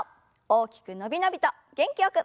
大きく伸び伸びと元気よく。